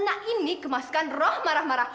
enak ini kemasukan roh marah marah